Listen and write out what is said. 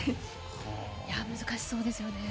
難しそうですよね。